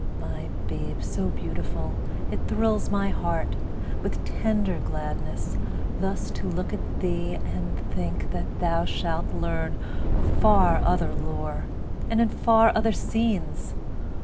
My babe so beautiful! it thrills my heart With tender gladness, thus to look at thee, And think that thou shalt learn far other lore, And in far other scenes!